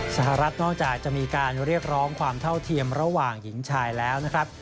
สหรัฐนอกจากจะมีการเรียกร้องความเท่าเทียมระหว่างหญิงชายแล้วนะครับ